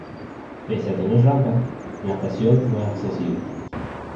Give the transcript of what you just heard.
Pese a tener rampas, la estación no es accesible.